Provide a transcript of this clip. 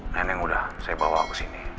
neneng udah saya bawa kesini